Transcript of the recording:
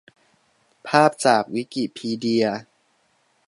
ภาพจากวิกิพีเดีย